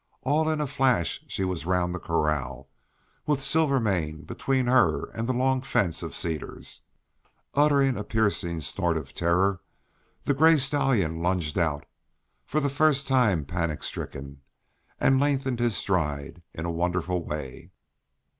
All in a flash she was round the corral, with Silvermane between her and the long fence of cedars. Uttering a piercing snort of terror the gray stallion lunged out, for the first time panic stricken, and lengthened his stride in a wonderful way.